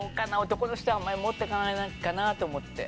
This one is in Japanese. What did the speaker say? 男の人はあんまり持って行かないかなと思って。